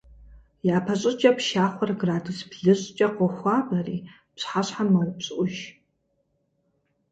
Япэщӏыкӏэ пшахъуэр градус блыщӏкӏэ къохуабэри, пщыхьэщхьэм мэупщӏыӏуж.